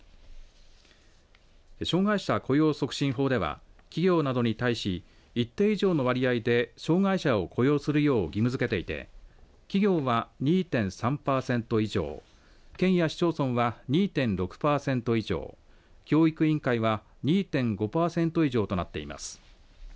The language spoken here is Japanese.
障害者雇用促進法では企業などに対し一定以上の割合で障害者を雇用するよう義務付けていて企業は２．３パーセント以上県や市町村は２．６パーセント以上教育委員会は２．５パーセント以上となっています。